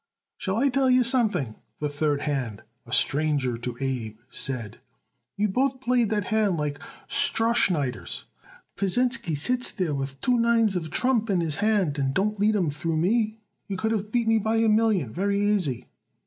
"Shall I tell you something?" the third hand a stranger to Abe said. "You both played that hand like Strohschneiders. Pasinsky sits there with two nines of trump in his hand and don't lead 'em through me. You could have beat me by a million very easy."